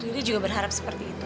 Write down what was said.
yudi juga berharap seperti itu